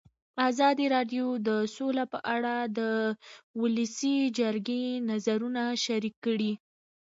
ازادي راډیو د سوله په اړه د ولسي جرګې نظرونه شریک کړي.